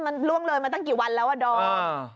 มันล่วงเลยมาตั้งกี่วันแล้วอ่ะดอม